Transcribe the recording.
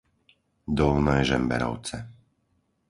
Dolné Žemberovce